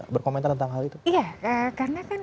berkomentar tentang hal itu iya karena kan